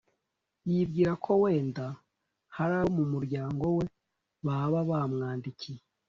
yibwira ko wenda hari abo mu muryango we baba bamwandikiye